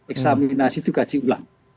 eksaminasi itu gaji ulang